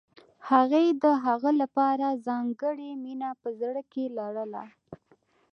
هغې د هغه لپاره ځانګړې مینه په زړه کې لرله